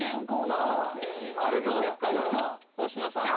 どうですか星野さんは？